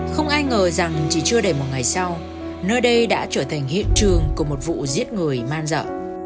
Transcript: không ai ngờ rằng chỉ chưa để một ngày sau nơi đây đã trở thành hiện trường của một vụ giết người man dợ